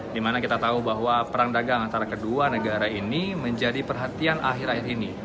dimana kita tahu bahwa perang dagang antara kedua negara ini menjadi perhatian akhir akhir ini